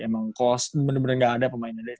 emang cost bener bener gak ada pemainnya deh